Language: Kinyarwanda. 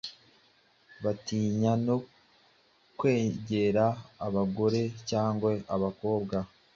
batinya no kwegera abagore cyangwa abakobwa